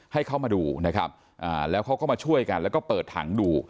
ให้เขามาดูนะครับแล้วเขาก็มาช่วยกันแล้วก็เปิดถังดู